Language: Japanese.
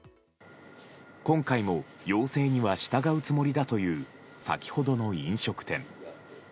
今回も要請には従うつもりだという先ほどの飲食店。